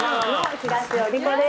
東尾理子です。